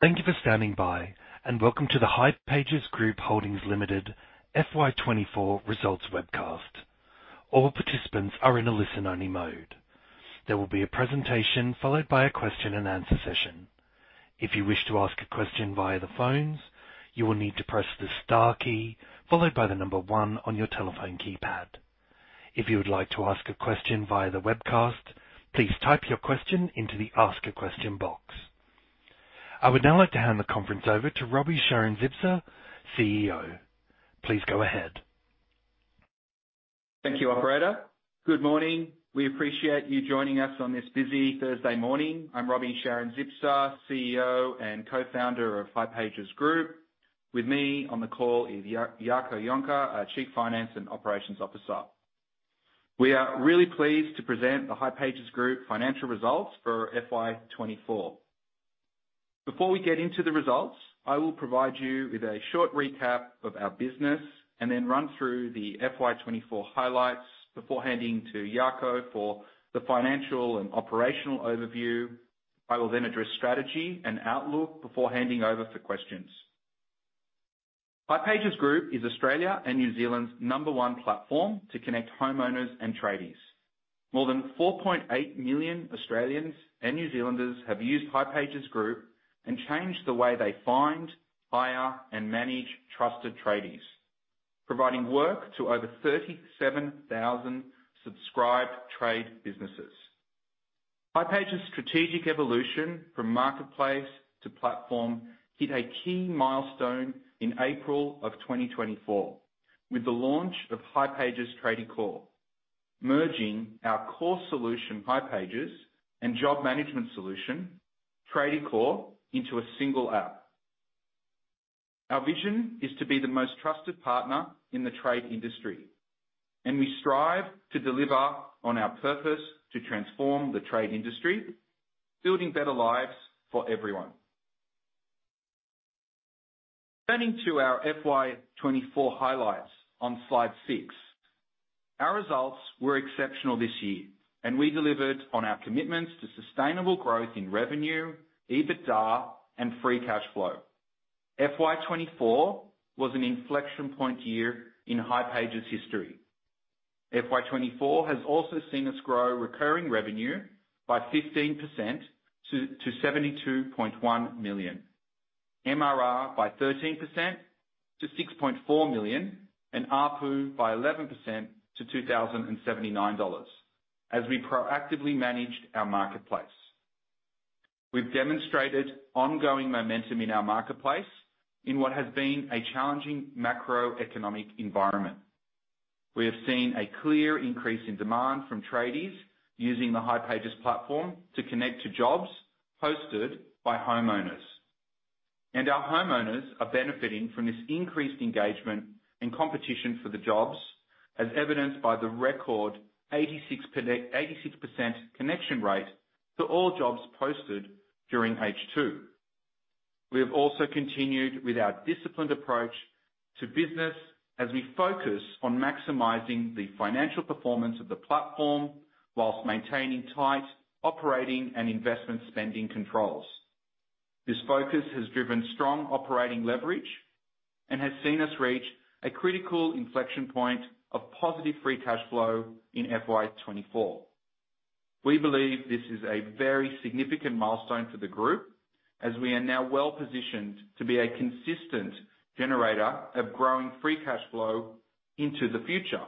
Thank you for standing by, and welcome to the Hipages Group Holdings Limited FY twenty-four results webcast. All participants are in a listen-only mode. There will be a presentation followed by a question-and-answer session. If you wish to ask a question via the phones, you will need to press the star key, followed by the number one on your telephone keypad. If you would like to ask a question via the webcast, please type your question into the Ask a Question box. I would now like to hand the conference over to Roby Sharon-Zipser, CEO. Please go ahead. Thank you, operator. Good morning. We appreciate you joining us on this busy Thursday morning. I'm Roby Sharon-Zipser, CEO and Co-Founder of Hipages Group. With me on the call is Jaco Jonker, our Chief Finance and Operations Officer. We are really pleased to present the Hipages Group financial results for FY 2024. Before we get into the results, I will provide you with a short recap of our business and then run through the FY 2024 highlights before handing to Jaco for the financial and operational overview. I will then address strategy and outlook before handing over for questions. Hipages Group is Australia and New Zealand's number one platform to connect homeowners and tradies. More than 4.8 million Australians and New Zealanders have used Hipages Group and changed the way they find, hire, and manage trusted tradies, providing work to over 37,000 subscribed trade businesses. Hipages' strategic evolution from marketplace to platform hit a key milestone in April of 2024, with the launch of Hipages Tradiecore, merging our core solution, Hipages, and job management solution, Tradiecore, into a single app. Our vision is to be the most trusted partner in the trade industry, and we strive to deliver on our purpose to transform the trade industry, building better lives for everyone. Turning to our FY 2024 highlights on slide six. Our results were exceptional this year, and we delivered on our commitments to sustainable growth in revenue, EBITDA, and free cash flow. FY 2024 was an inflection point year in Hipages' history. FY 2024 has also seen us grow recurring revenue by 15% to 72.1 million, MRR by 13% to 6.4 million, and ARPU by 11% to 2,079 dollars, as we proactively managed our marketplace. We've demonstrated ongoing momentum in our marketplace in what has been a challenging macroeconomic environment. We have seen a clear increase in demand from tradies using the Hipages platform to connect to jobs posted by homeowners, and our homeowners are benefiting from this increased engagement and competition for the jobs, as evidenced by the record 86% connection rate to all jobs posted during H2. We have also continued with our disciplined approach to business as we focus on maximizing the financial performance of the platform, while maintaining tight operating and investment spending controls. This focus has driven strong operating leverage and has seen us reach a critical inflection point of positive free cash flow in FY 2024. We believe this is a very significant milestone for the group, as we are now well-positioned to be a consistent generator of growing free cash flow into the future.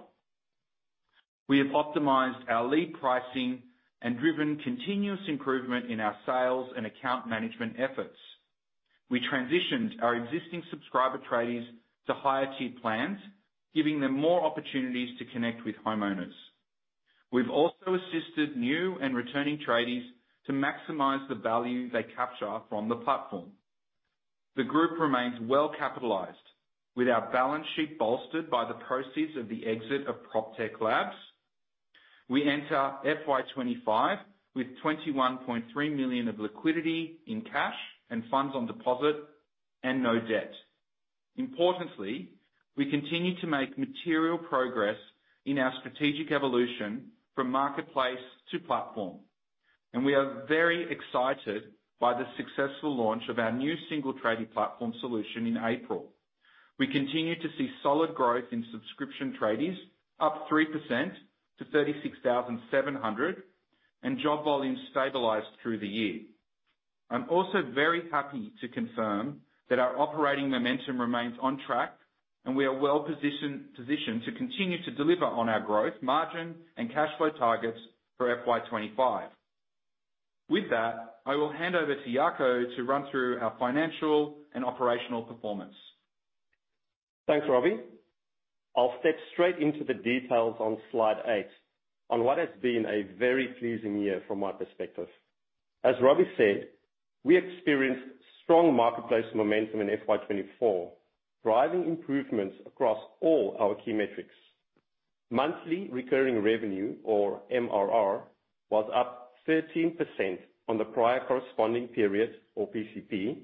We have optimized our lead pricing and driven continuous improvement in our sales and account management efforts. We transitioned our existing subscriber tradies to higher tier plans, giving them more opportunities to connect with homeowners. We've also assisted new and returning tradies to maximize the value they capture from the platform. The group remains well-capitalized, with our balance sheet bolstered by the proceeds of the exit of PropTech Labs. We enter FY 2025 with 21.3 million of liquidity in cash and funds on deposit and no debt. Importantly, we continue to make material progress in our strategic evolution from marketplace to platform, and we are very excited by the successful launch of our new single tradie platform solution in April. We continue to see solid growth in subscription tradies, up 3% to 36,700, and job volumes stabilized through the year. I'm also very happy to confirm that our operating momentum remains on track, and we are well positioned to continue to deliver on our growth, margin, and cash flow targets for FY 2025. With that, I will hand over to Jaco to run through our financial and operational performance. Thanks, Roby. I'll step straight into the details on slide eight on what has been a very pleasing year from my perspective. As Roby said, we experienced strong marketplace momentum in FY 2024, driving improvements across all our key metrics. Monthly recurring revenue, or MRR, was up 13% on the prior corresponding period, or PCP,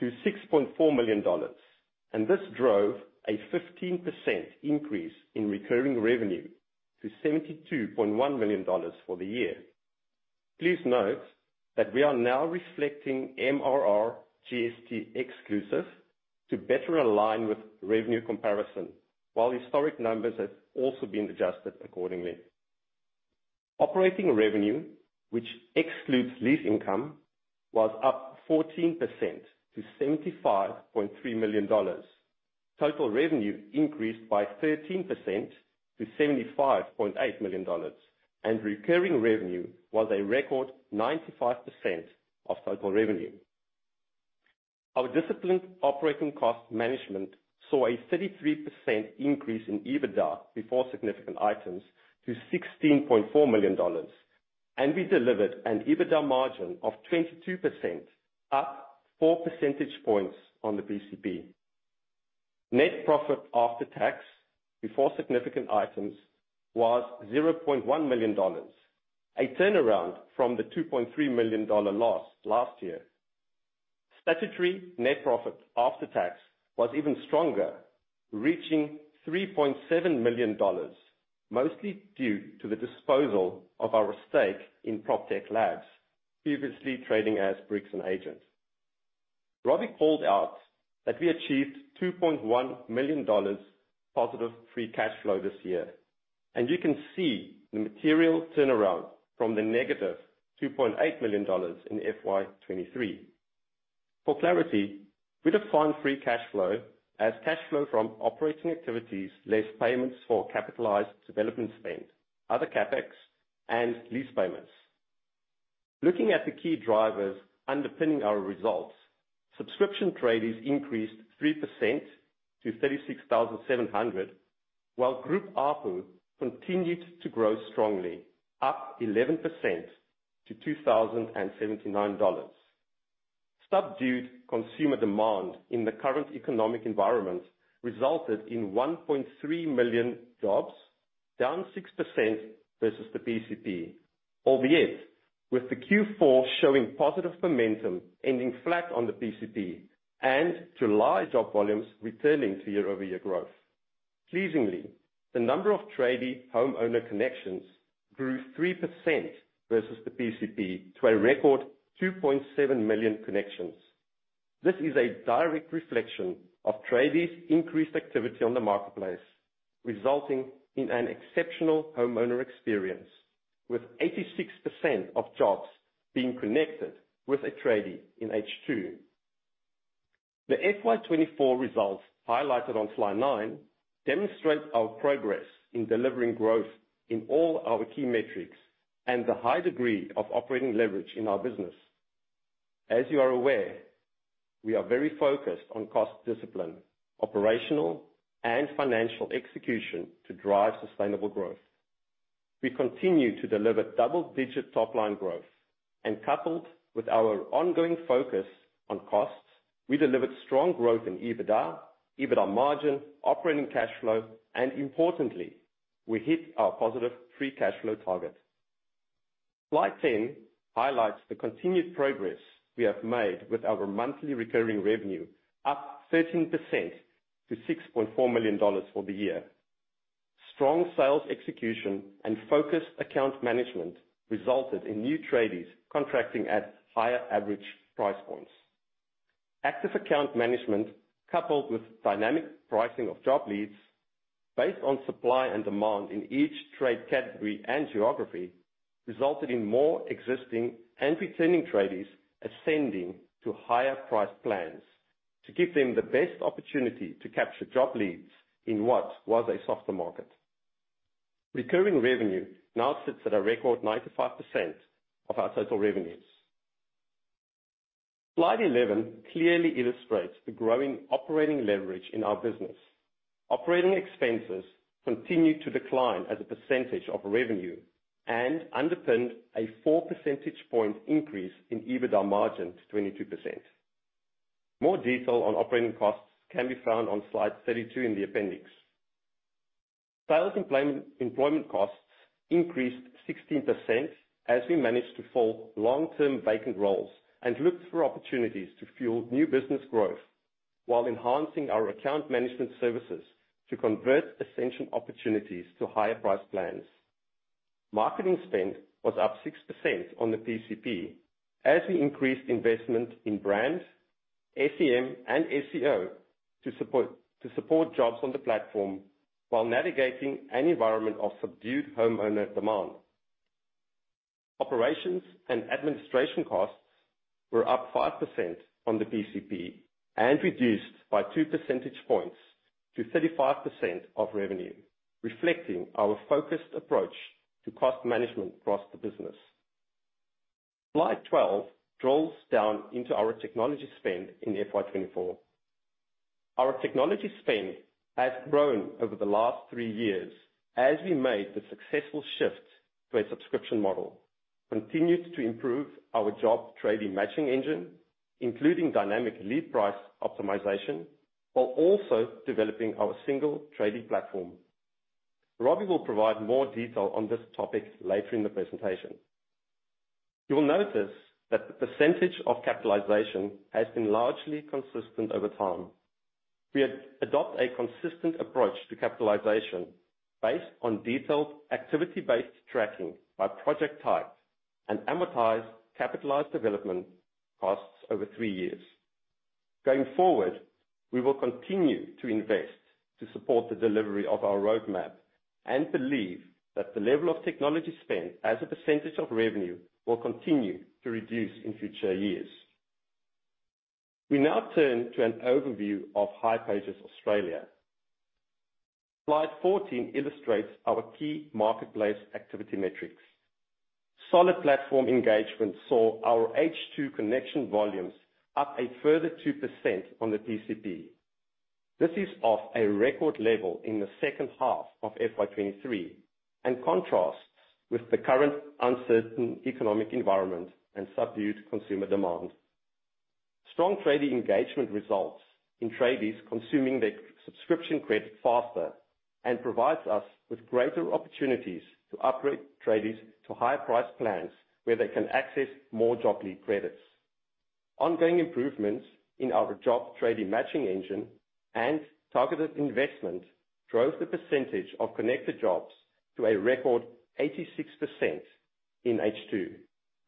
to 6.4 million dollars, and this drove a 15% increase in recurring revenue to 72.1 million dollars for the year. Please note that we are now reflecting MRR GST exclusive to better align with revenue comparison, while historic numbers have also been adjusted accordingly. Operating revenue, which excludes lease income, was up 14% to AUD 75.3 million. Total revenue increased by 13% to 75.8 million dollars, and recurring revenue was a record 95% of total revenue. Our disciplined operating cost management saw a 33% increase in EBITDA before significant items to 16.4 million dollars, and we delivered an EBITDA margin of 22%, up four percentage points on the PCP. Net profit after tax, before significant items, was 0.1 million dollars, a turnaround from the 2.3 million dollar loss last year. Statutory net profit after tax was even stronger, reaching 3.7 million dollars, mostly due to the disposal of our stake in PropTech Labs, previously trading as Bricks & Agent. Robbie called out that we achieved 2.1 million dollars positive free cash flow this year, and you can see the material turnaround from the -2.8 million dollars in FY 2023. For clarity, we define free cash flow as cash flow from operating activities, less payments for capitalized development spend, other CapEx, and lease payments. Looking at the key drivers underpinning our results, subscription tradies increased 3% to 36,700, while group ARPU continued to grow strongly, up 11% to 2,079 dollars. Subdued consumer demand in the current economic environment resulted in 1.3 million jobs, down 6% versus the PCP. Albeit, with the Q4 showing positive momentum, ending flat on the PCP, and July job volumes returning to year-over-year growth. Pleasingly, the number of tradie/homeowner connections grew 3% versus the PCP to a record 2.7 million connections. This is a direct reflection of tradies' increased activity on the marketplace, resulting in an exceptional homeowner experience, with 86% of jobs being connected with a tradie in H2. The FY 2024 results highlighted on slide nine demonstrate our progress in delivering growth in all our key metrics and the high degree of operating leverage in our business. As you are aware, we are very focused on cost discipline, operational and financial execution to drive sustainable growth. We continue to deliver double-digit top-line growth, and coupled with our ongoing focus on costs, we delivered strong growth in EBITDA, EBITDA margin, operating cash flow, and importantly, we hit our positive free cash flow target. Slide ten highlights the continued progress we have made with our monthly recurring revenue, up 13% to 6.4 million dollars for the year. Strong sales execution and focused account management resulted in new tradies contracting at higher average price points. Active account management, coupled with dynamic pricing of job leads based on supply and demand in each trade category and geography, resulted in more existing and returning tradies ascending to higher priced plans to give them the best opportunity to capture job leads in what was a softer market. Recurring revenue now sits at a record 95% of our total revenues. Slide 11 clearly illustrates the growing operating leverage in our business. Operating expenses continued to decline as a percentage of revenue and underpinned a four percentage point increase in EBITDA margin to 22%. More detail on operating costs can be found on slide 32 in the appendix. Sales employment costs increased 16% as we managed to fill long-term vacant roles and looked for opportunities to fuel new business growth while enhancing our account management services to convert ascension opportunities to higher priced plans. Marketing spend was up 6% on the PCP as we increased investment in brand, SEM, and SEO to support jobs on the platform while navigating an environment of subdued homeowner demand. Operations and administration costs were up 5% on the PCP and reduced by two percentage points to 35% of revenue, reflecting our focused approach to cost management across the business. Slide 12 drills down into our technology spend in FY 2024. Our technology spend has grown over the last three years as we made the successful shift to a subscription model, continued to improve our job tradie matching engine, including dynamic lead price optimization, while also developing our single tradie platform. Roby will provide more detail on this topic later in the presentation. You will notice that the percentage of capitalization has been largely consistent over time. We adopt a consistent approach to capitalization based on detailed activity-based tracking by project type and amortize capitalized development costs over three years. Going forward, we will continue to invest to support the delivery of our roadmap, and believe that the level of technology spend as a percentage of revenue will continue to reduce in future years. We now turn to an overview of Hipages Australia. Slide fourteen illustrates our key marketplace activity metrics. Solid platform engagement saw our H2 connection volumes up a further 2% on the PCP. This is off a record level in the second half of FY 2023, and contrasts with the current uncertain economic environment and subdued consumer demand. Strong tradie engagement results in tradies consuming their subscription credit faster, and provides us with greater opportunities to upgrade tradies to higher price plans, where they can access more job lead credits. Ongoing improvements in our job tradie matching engine and targeted investment drove the percentage of connected jobs to a record 86% in H2,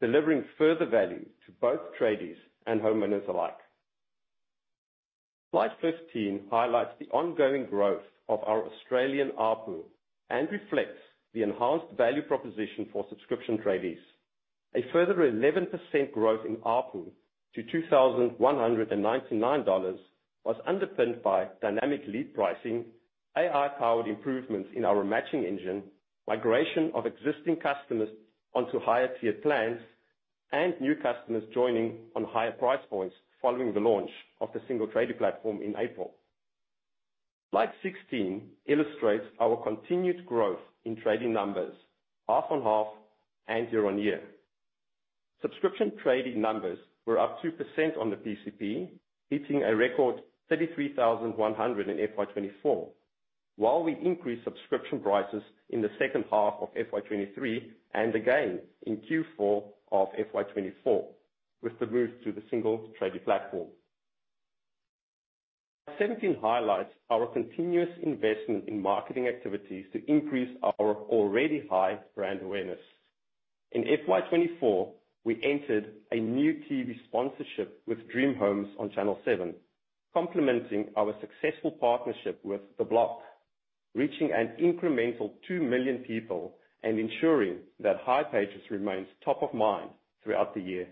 delivering further value to both tradies and homeowners alike. Slide 15 highlights the ongoing growth of our Australian ARPU and reflects the enhanced value proposition for subscription tradies. A further 11% growth in ARPU to 2,199 dollars was underpinned by dynamic lead pricing, AI-powered improvements in our matching engine, migration of existing customers onto higher tier plans, and new customers joining on higher price points following the launch of the single tradie platform in April. Slide 16 illustrates our continued growth in tradie numbers, half-on-half and year-on-year. Subscription tradie numbers were up 2% on the PCP, hitting a record 33,100 in FY 2024, while we increased subscription prices in the second half of FY 2023, and again in Q4 of FY 2024, with the move to the single tradie platform. Seventeen highlights our continuous investment in marketing activities to increase our already high brand awareness. In FY 2024, we entered a new TV sponsorship with Dream Homes on Channel Seven, complementing our successful partnership with The Block, reaching an incremental 2 million people and ensuring that Hipages remains top of mind throughout the year.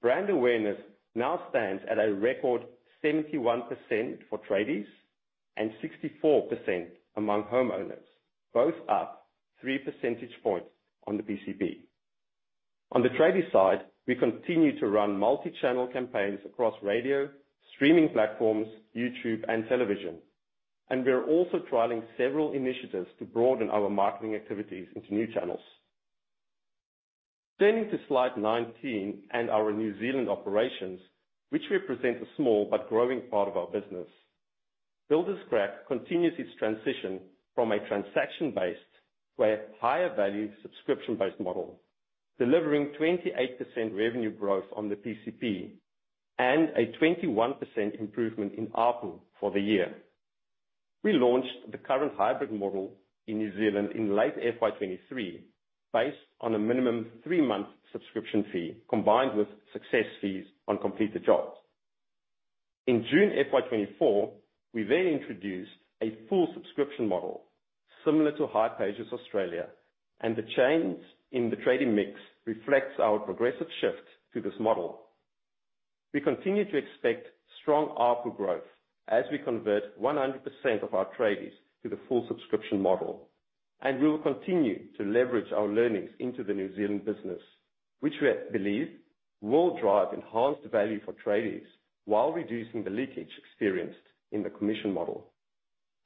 Brand awareness now stands at a record 71% for tradies and 64% among homeowners, both up three percentage points on the PCP. On the tradie side, we continue to run multi-channel campaigns across radio, streaming platforms, YouTube, and television, and we are also trialing several initiatives to broaden our marketing activities into new channels. Turning to slide 19 and our New Zealand operations, which represent a small but growing part of our business. Builderscrack continues its transition from a transaction-based to a higher value subscription-based model, delivering 28% revenue growth on the PCP and a 21% improvement in ARPU for the year. We launched the current hybrid model in New Zealand in late FY 2023, based on a minimum three-month subscription fee, combined with success fees on completed jobs. In June FY 2024, we then introduced a full subscription model similar to Hipages Australia, and the change in the tradie mix reflects our progressive shift to this model. We continue to expect strong ARPU growth as we convert 100% of our tradies to the full subscription model, and we will continue to leverage our learnings into the New Zealand business, which we believe will drive enhanced value for tradies while reducing the leakage experienced in the commission model.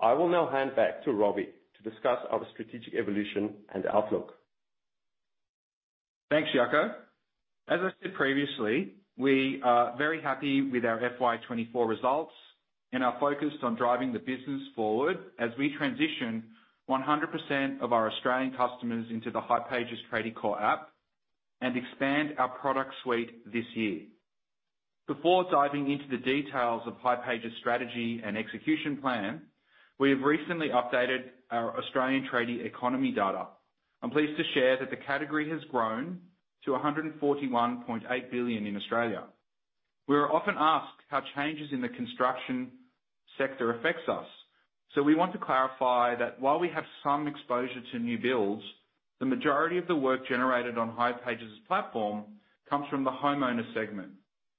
I will now hand back to Roby to discuss our strategic evolution and outlook. Thanks, Jaco. As I said previously, we are very happy with our FY 2024 results and are focused on driving the business forward as we transition 100% of our Australian customers into the Hipages Tradiecore app and expand our product suite this year. Before diving into the details of Hipages' strategy and execution plan, we have recently updated our Australian tradie economy data. I'm pleased to share that the category has grown to 141.8 billion in Australia. We are often asked how changes in the construction sector affects us, so we want to clarify that while we have some exposure to new builds, the majority of the work generated on Hipages' platform comes from the homeowner segment,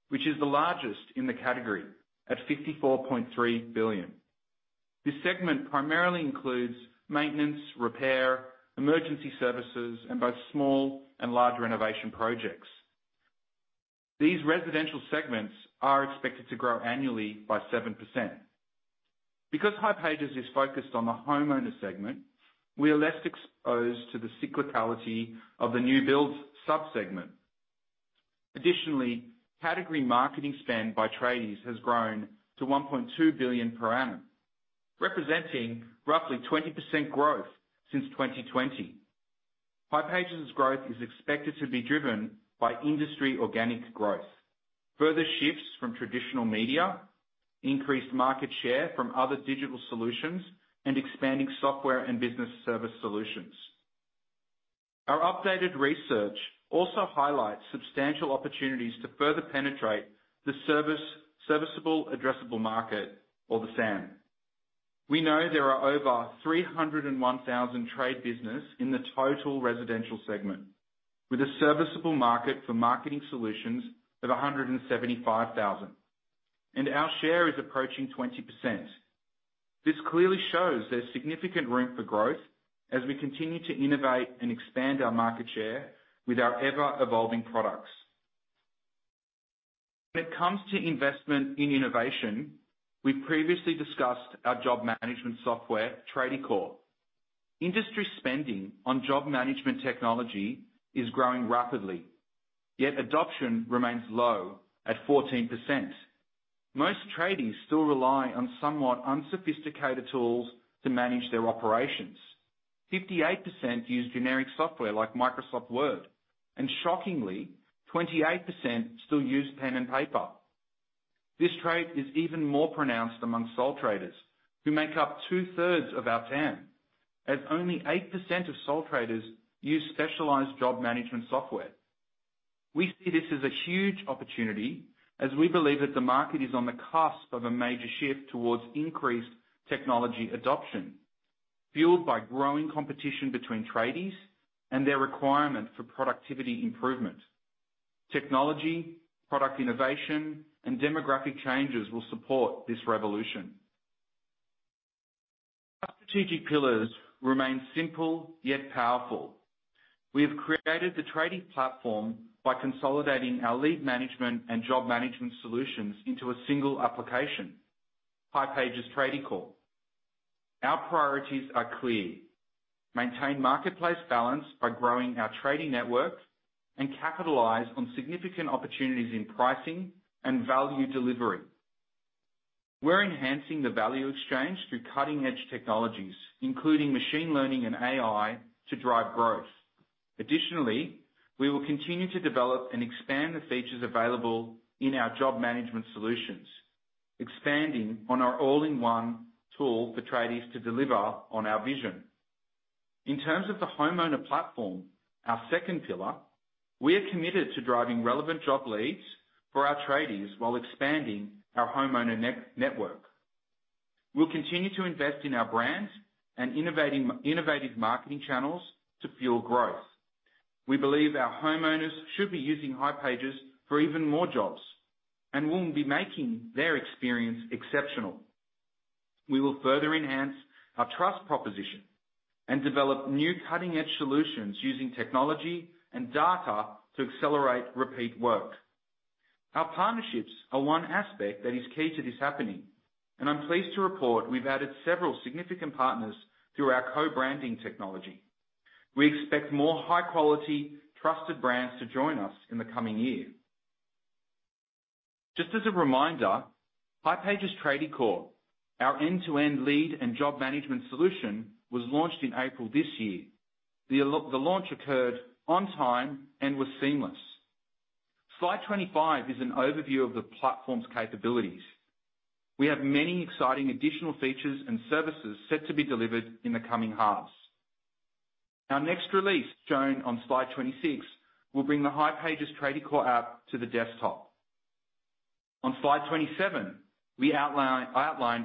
which is the largest in the category at 54.3 billion. This segment primarily includes maintenance, repair, emergency services, and both small and large renovation projects. These residential segments are expected to grow annually by 7%. Because Hipages is focused on the homeowner segment, we are less exposed to the cyclicality of the new build sub-segment. Additionally, category marketing spend by tradies has grown to 1.2 billion per annum, representing roughly 20% growth since 2020. Hipages' growth is expected to be driven by industry organic growth, further shifts from traditional media, increased market share from other digital solutions, and expanding software and business service solutions. Our updated research also highlights substantial opportunities to further penetrate the serviceable addressable market, or the SAM. We know there are over 301,000 trade businesses in the total residential segment, with a serviceable market for marketing solutions of a 175,000, and our share is approaching 20%. This clearly shows there's significant room for growth as we continue to innovate and expand our market share with our ever-evolving products. When it comes to investment in innovation, we've previously discussed our job management software, Tradiecore. Industry spending on job management technology is growing rapidly, yet adoption remains low at 14%. Most tradies still rely on somewhat unsophisticated tools to manage their operations. 58% use generic software like Microsoft Word, and shockingly, 28% still use pen and paper. This trait is even more pronounced among sole traders, who make up two-thirds of our TAM, as only 8% of sole traders use specialized job management software. We see this as a huge opportunity, as we believe that the market is on the cusp of a major shift towards increased technology adoption, fueled by growing competition between tradies and their requirement for productivity improvement. Technology, product innovation, and demographic changes will support this revolution. Our strategic pillars remain simple, yet powerful. We have created the tradie platform by consolidating our lead management and job management solutions into a single application, Hipages Tradiecore. Our priorities are clear: maintain marketplace balance by growing our tradie network and capitalize on significant opportunities in pricing and value delivery. We're enhancing the value exchange through cutting-edge technologies, including machine learning and AI, to drive growth. Additionally, we will continue to develop and expand the features available in our job management solutions, expanding on our all-in-one tool for tradies to deliver on our vision. In terms of the homeowner platform, our second pillar, we are committed to driving relevant job leads for our tradies while expanding our homeowner network. We'll continue to invest in our brands and innovative marketing channels to fuel growth. We believe our homeowners should be using Hipages for even more jobs, and we'll be making their experience exceptional. We will further enhance our trust proposition and develop new cutting-edge solutions using technology and data to accelerate repeat work. Our partnerships are one aspect that is key to this happening, and I'm pleased to report we've added several significant partners through our co-branding technology. We expect more high-quality, trusted brands to join us in the coming year. Just as a reminder, Hipages Tradiecore, our end-to-end lead and job management solution, was launched in April this year. The launch occurred on time and was seamless. Slide 25 is an overview of the platform's capabilities. We have many exciting additional features and services set to be delivered in the coming halves. Our next release, shown on slide 26, will bring the Hipages Tradie core app to the desktop. On slide 27, we outline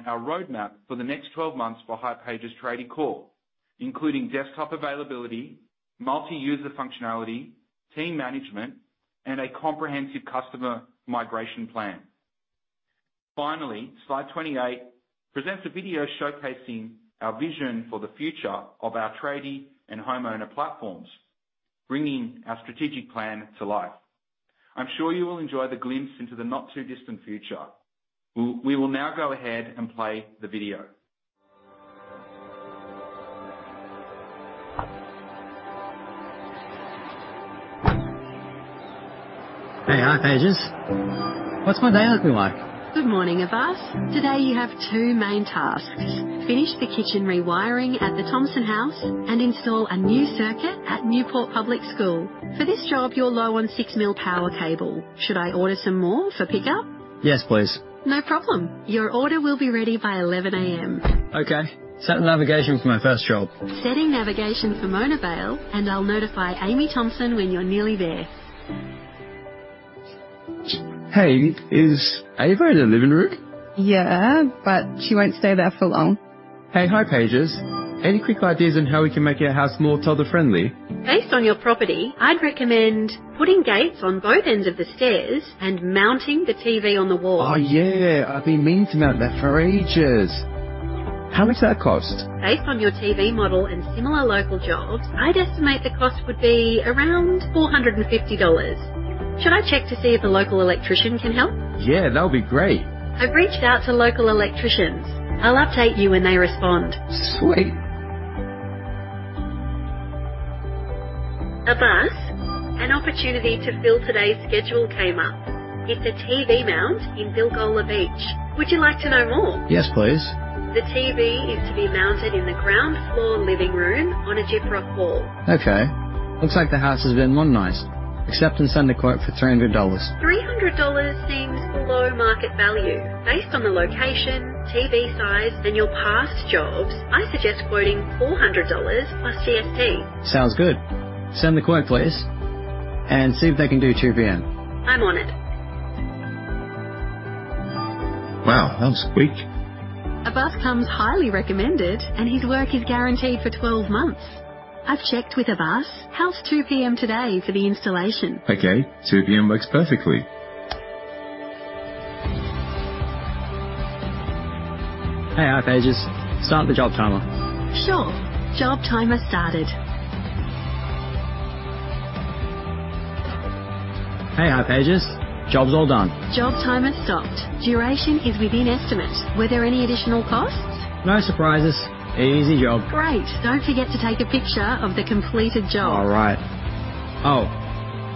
our roadmap for the next twelve months for Hipages Tradiecore, including desktop availability, multi-user functionality, team management, and a comprehensive customer migration plan. Finally, slide 28 presents a video showcasing our vision for the future of our tradie and homeowner platforms, bringing our strategic plan to life. I'm sure you will enjoy the glimpse into the not-too-distant future. We will now go ahead and play the video. Hey, Hipages. What's my day looking like? Good morning, Abbas. Today, you have two main tasks: Finish the kitchen rewiring at the Thompson house, and install a new circuit at Newport Public School. For this job, you're low on six mil power cable. Should I order some more for pickup? Yes, please. No problem. Your order will be ready by 11:00 A.M. Okay, set navigation for my first job. Setting navigation for Mona Vale, and I'll notify Amy Thompson when you're nearly there. Hey, is Ava in the living room? Yeah, but she won't stay there for long. Hey, Hipages, any quick ideas on how we can make our house more toddler-friendly? Based on your property, I'd recommend putting gates on both ends of the stairs and mounting the TV on the wall. Oh, yeah! I've been meaning to mount that for ages. How much does that cost? Based on your TV model and similar local jobs, I'd estimate the cost would be around 450 dollars. Should I check to see if a local electrician can help? Yeah, that would be great. I've reached out to local electricians. I'll update you when they respond. Sweet! Abbas, an opportunity to fill today's schedule came up. It's a TV mount in Bilgola Beach. Would you like to know more? Yes, please. The TV is to be mounted in the ground floor living room on a gyprock wall. Okay. Looks like the house has been modernized. Accept and send a quote for 300 dollars. 300 dollars seems below market value. Based on the location, TV size, and your past jobs, I suggest quoting 400 dollars plus GST. Sounds good. Send the quote, please, and see if they can do 2:00 P.M. I'm on it. Wow! That was quick. Abbas comes highly recommended, and his work is guaranteed for twelve months. I've checked with Abbas. How's 2:00 P.M. today for the installation? Okay. 2:00 P.M. works perfectly. Hey, Hipages, start the job timer. Sure. Job timer started. Hey, Hipages, job's all done. Job timer stopped. Duration is within estimate. Were there any additional costs? No surprises. Easy job. Great! Don't forget to take a picture of the completed job. All right. Oh,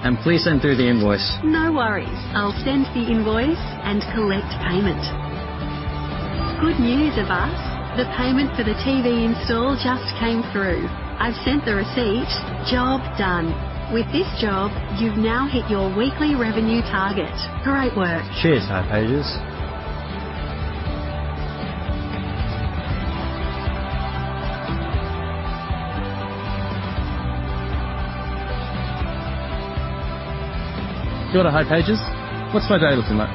and please send through the invoice. No worries. I'll send the invoice and collect payment. Good news, Abbas. The payment for the TV install just came through. I've sent the receipt. Job done. With this job, you've now hit your weekly revenue target. Great work! Cheers, Hipages. Kia ora, Hipages. What's my day looking like?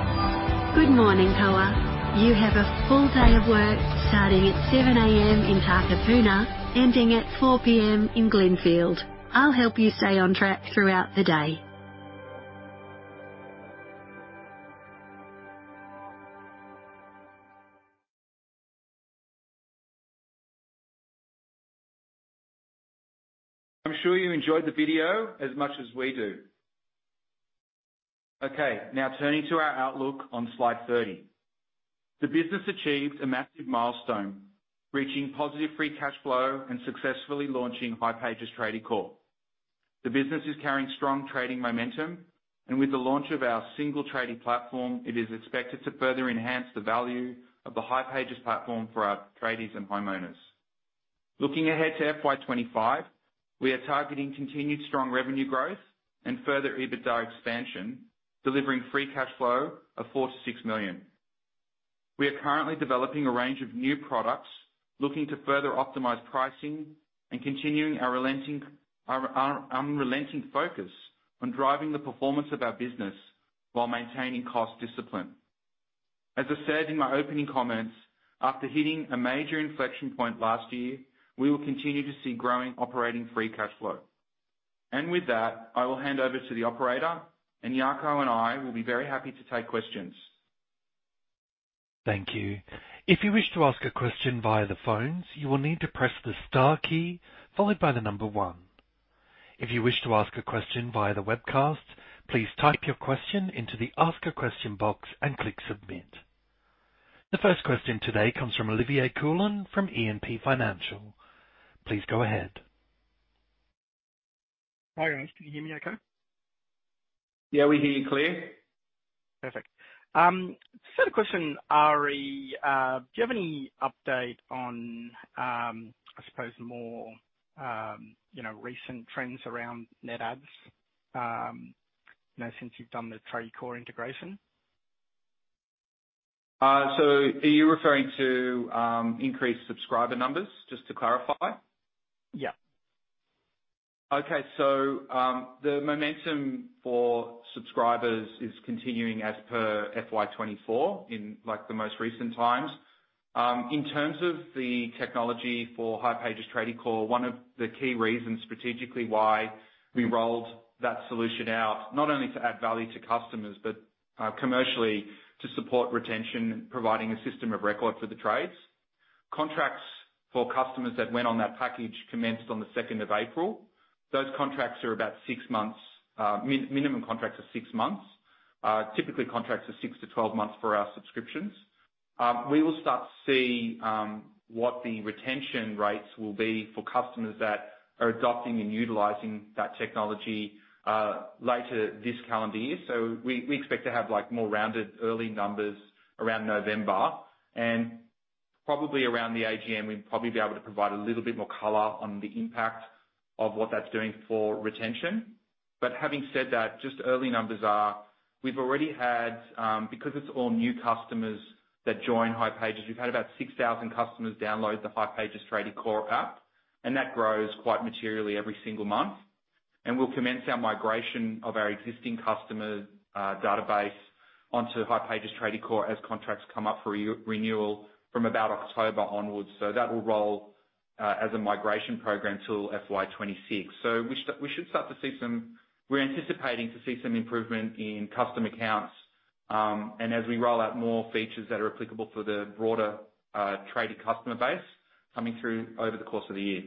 Good morning, Koa. You have a full day of work starting at 7:00 A.M. in Takapuna, ending at 4:00 P.M. in Glenfield. I'll help you stay on track throughout the day. I'm sure you enjoyed the video as much as we do. Okay, now turning to our outlook on slide 30. The business achieved a massive milestone, reaching positive free cash flow and successfully launching Hipages Tradiecore. The business is carrying strong trading momentum, and with the launch of our single tradie platform, it is expected to further enhance the value of the Hipages platform for our tradies and homeowners. Looking ahead to FY 2025, we are targeting continued strong revenue growth and further EBITDA expansion, delivering free cash flow of 4-6 million. We are currently developing a range of new products, looking to further optimize pricing, and continuing our unrelenting focus on driving the performance of our business while maintaining cost discipline. As I said in my opening comments, after hitting a major inflection point last year, we will continue to see growing operating free cash flow, and with that, I will hand over to the operator, and Jaco and I will be very happy to take questions. Thank you. If you wish to ask a question via the phones, you will need to press the star key followed by the number one. If you wish to ask a question via the webcast, please type your question into the Ask a Question box and click Submit. The first question today comes from Olivier Kouvaras from E&P Financial Group. Please go ahead. Hi, guys. Can you hear me okay? Yeah, we hear you clear. Perfect. So the question, Ari, do you have any update on, I suppose more, you know, recent trends around net adds, you know, since you've done the Tradiecore integration? So are you referring to increased subscriber numbers, just to clarify? Yeah. Okay. So, the momentum for subscribers is continuing as per FY24 in, like, the most recent times. In terms of the technology for Hipages Tradiecore, one of the key reasons strategically why we rolled that solution out, not only to add value to customers, but, commercially, to support retention, providing a system of record for the trades. Contracts for customers that went on that package commenced on the second of April. Those contracts are about six months. Minimum contracts are six months. Typically, contracts are 6-12 months for our subscriptions. We will start to see what the retention rates will be for customers that are adopting and utilizing that technology, later this calendar year. So we expect to have, like, more rounded early numbers around November, and probably around the AGM, we'd probably be able to provide a little bit more color on the impact of what that's doing for retention. But having said that, just early numbers are, we've already had, because it's all new customers that join Hipages, we've had about 6,000 customers download the Hipages Tradiecore app, and that grows quite materially every single month. And we'll commence our migration of our existing customer database onto Hipages Tradiecore as contracts come up for renewal from about October onwards. So that will roll as a migration program till FY 2026. So we should start to see some... We're anticipating to see some improvement in customer accounts, and as we roll out more features that are applicable for the broader tradie customer base coming through over the course of the year.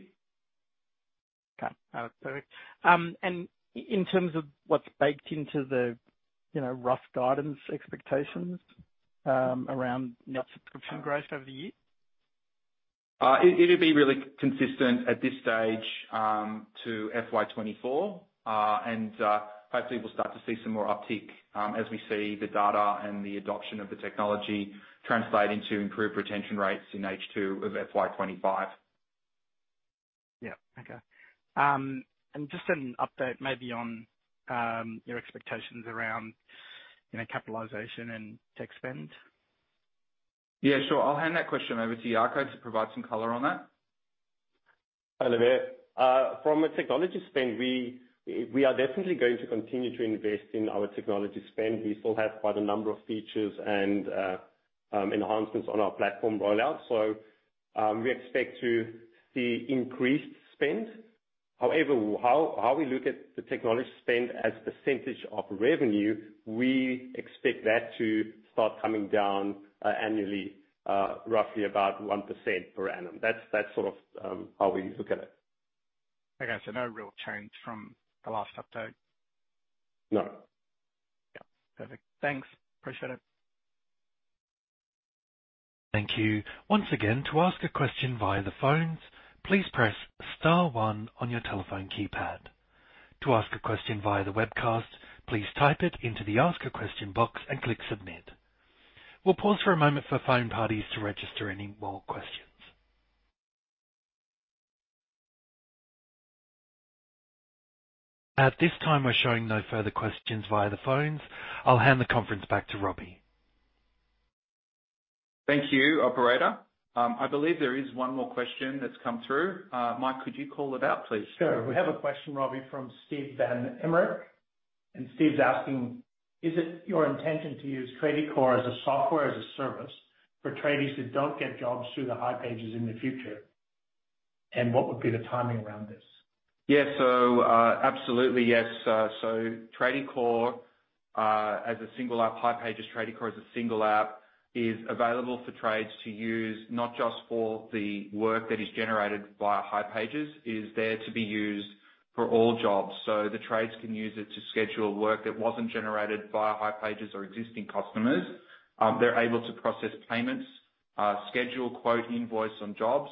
Okay. Perfect. And in terms of what's baked into the, you know, rough guidance expectations? Around net subscription growth over the year? It'll be really consistent at this stage to FY 2024. Hopefully, we'll start to see some more uptick as we see the data and the adoption of the technology translate into improved retention rates in H2 of FY 2025. Yeah. Okay. And just an update maybe on your expectations around, you know, capitalization and tech spend. Yeah, sure. I'll hand that question over to Jaco to provide some color on that. Hello there. From a technology spend, we are definitely going to continue to invest in our technology spend. We still have quite a number of features and enhancements on our platform rollout, so we expect to see increased spend. However, how we look at the technology spend as a percentage of revenue, we expect that to start coming down annually, roughly about 1% per annum. That's sort of how we look at it. Okay, so no real change from the last update? No. Yeah. Perfect. Thanks. Appreciate it. Thank you. Once again, to ask a question via the phones, please press star one on your telephone keypad. To ask a question via the webcast, please type it into the Ask a Question box and click Submit. We'll pause for a moment for phone participants to register any more questions. At this time, we're showing no further questions via the phones. I'll hand the conference back to Roby. Thank you, operator. I believe there is one more question that's come through. Mike, could you call it out, please? Sure. We have a question, Roby, from Steve van Emmerik, and Steve's asking: Is it your intention to use Tradiecore as a software, as a service, for tradies who don't get jobs through the Hipages in the future? And what would be the timing around this? Yeah. So absolutely, yes, so Tradie Core, as a single app, Hipages Tradie Core as a single app, is available for trades to use, not just for the work that is generated via Hipages. It is there to be used for all jobs, so the trades can use it to schedule work that wasn't generated via Hipages or existing customers. They're able to process payments, schedule, quote, invoice on jobs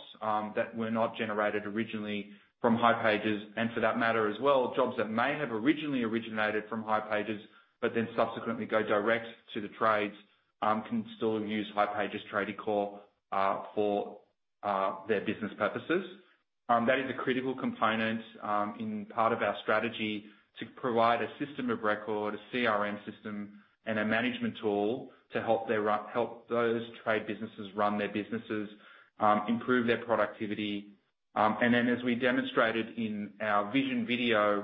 that were not generated originally from Hipages, and for that matter as well, jobs that may have originally originated from Hipages, but then subsequently go direct to the trades, can still use Hipages Tradie Core for their business purposes. That is a critical component, in part of our strategy to provide a system of record, a CRM system, and a management tool to help those trade businesses run their businesses, improve their productivity, and then as we demonstrated in our vision video,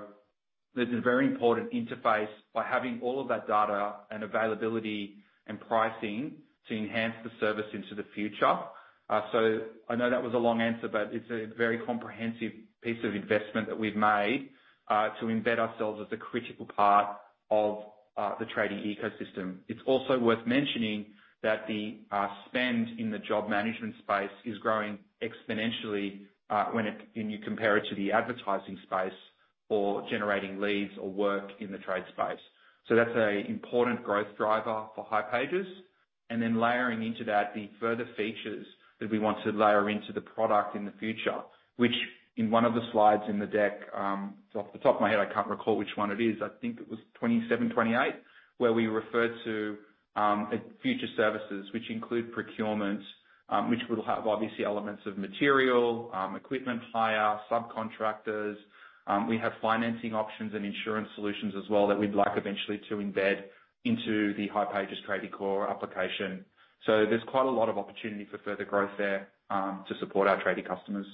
there's a very important interface by having all of that data and availability and pricing to enhance the service into the future. So I know that was a long answer, but it's a very comprehensive piece of investment that we've made, to embed ourselves as a critical part of the tradie ecosystem. It's also worth mentioning that the spend in the job management space is growing exponentially, when you compare it to the advertising space or generating leads or work in the trade space. So that's an important growth driver for Hipages. And then layering into that, the further features that we want to layer into the product in the future, which in one of the slides in the deck, off the top of my head, I can't recall which one it is. I think it was 27, 28, where we referred to future services, which include procurement, which would have, obviously, elements of material, equipment, hire, subcontractors. We have financing options and insurance solutions as well that we'd like eventually to embed into the Hipages Tradiecore application. So there's quite a lot of opportunity for further growth there to support our tradie customers.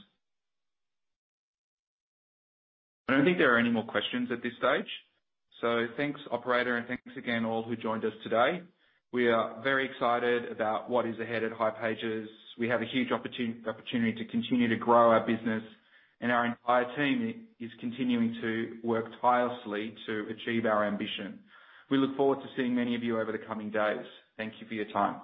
I don't think there are any more questions at this stage, so thanks, operator, and thanks again all who joined us today. We are very excited about what is ahead at Hipages. We have a huge opportunity to continue to grow our business, and our entire team is continuing to work tirelessly to achieve our ambition. We look forward to seeing many of you over the coming days. Thank you for your time.